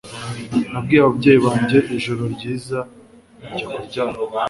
Nabwiye ababyeyi banjye ijoro ryiza njya kuryama